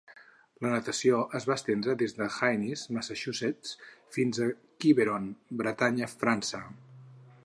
La natació es va estendre des de Hyannis, Massachusetts fins a Quiberon, Bretanya, França.